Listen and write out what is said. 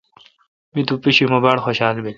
می تو پیشی مہ باڑ خوشال بل۔